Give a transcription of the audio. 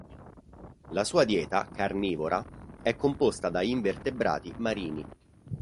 La sua dieta, carnivora, è composta da invertebrati marini.